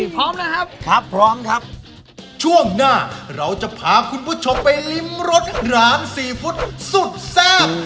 พร้อมนะครับถ้าพร้อมครับช่วงหน้าเราจะพาคุณผู้ชมไปริมรสหร้านซีฟู้ดสุดแซ่บ